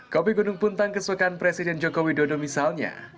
kopi gunung puntang kesukaan presiden joko widodo misalnya